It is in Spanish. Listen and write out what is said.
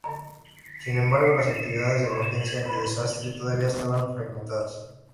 Sin embargo, las actividades de emergencia y desastre todavía estaban fragmentadas.